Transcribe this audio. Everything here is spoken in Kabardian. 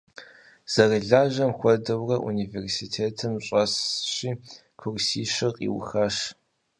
Зэрылажьэм хуэдэурэ университетым щӏэсщи, курсищыр къиухащ.